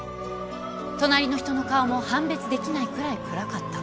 隣の人の顔も判別できないくらい暗かった。